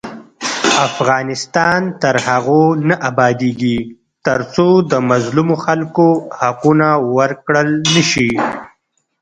افغانستان تر هغو نه ابادیږي، ترڅو د مظلومو خلکو حقونه ورکړل نشي.